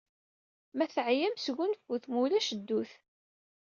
Ma teɛyam, sgunfut, mulac ddut.